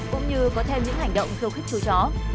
cũng như có thêm những hành động khiêu khích chú chó